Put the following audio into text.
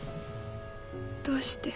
どうして